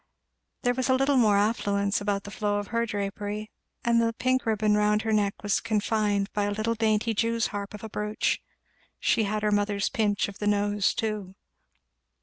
There was a little more affluence about the flow of her drapery, and the pink ribbon round her neck was confined by a little dainty Jew's harp of a brooch; she had her mother's pinch of the nose too.